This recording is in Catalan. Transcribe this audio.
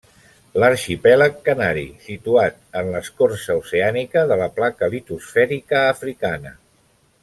L'arxipèlag canari, situat en l'escorça oceànica de la placa litosfèrica africana.